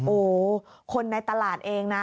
โอ้โหคนในตลาดเองนะ